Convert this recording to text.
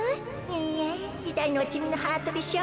いいえいたいのはちみのハートでしょ？